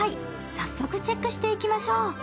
早速チェックしていきましょう。